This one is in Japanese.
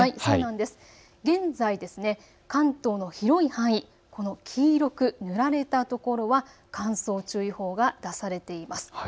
現在、関東の広い範囲、黄色く塗られたところは乾燥注意報が出されています。